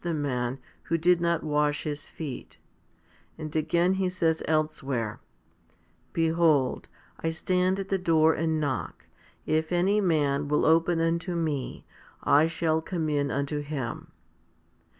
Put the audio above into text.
228 FIFTY SPIRITUAL HOMILIES man who did not wash His feet ; 1 and again He says else where, Behold, I stand at the door and knock, if any man will open unto Me, and I shall come in unto him.